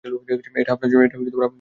এটা আপনার জন্য বিশেষ খাবার।